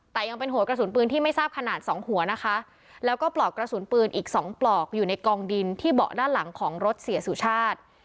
แต่ยังเป็นหัวกระสุนปืนที่ไม่ทราบขนาดสองหัวนะคะแล้วก็ปลอกกระสุนปืนอีกสองปลอกอยู่ในกองดินที่เบาะด้านหลังของรถเสียสุชาติ